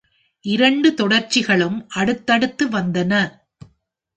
இரண்டு தொடர்ச்சிகளும் அடுத்தடுத்து வந்தன.